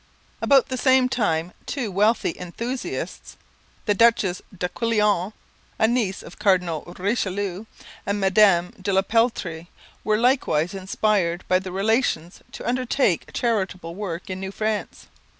About the same time two wealthy enthusiasts, the Duchesse d'Aiguillon, a niece of Cardinal Richelieu, and Madame de la Peltrie, were likewise inspired by the Relations to undertake charitable work in New France.